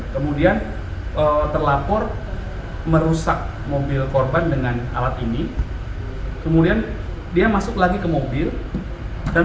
kemudian terlapor merusak mobil korban dengan alat ini kemudian dia masuk lagi ke mobil dan